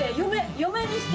「嫁にして」。